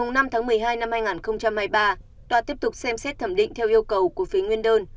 ngày năm tháng một mươi hai năm hai nghìn hai mươi ba tòa tiếp tục xem xét thẩm định theo yêu cầu của phía nguyên đơn